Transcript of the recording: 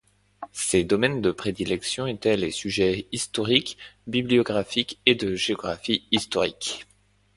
Ses domaines de prédilection étaient les sujets historiques, bibliographiques et de géographie historique.